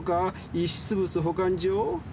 遺失物保管所？